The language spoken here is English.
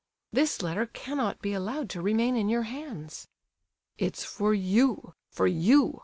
"This letter cannot be allowed to remain in your hands." "It's for you—for you!